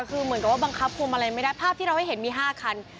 คือเหมือนกับว่าบังคับคุมอะไรไม่ได้ภาพที่เราให้เห็นมี๕คัน